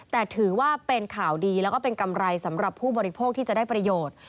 แต่ถือว่าเป็นข่าวดีแล้วก็เป็นกำไรสำหรับผู้บริโภคที่จะได้ประโยชน์